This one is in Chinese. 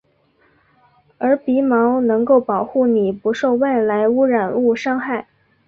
而鼻毛能够保护你不受外来污染物伤害。